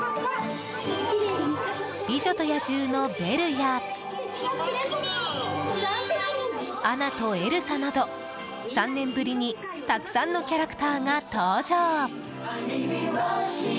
「美女と野獣」のベルやアナとエルサなど３年ぶりにたくさんのキャラクターが登場！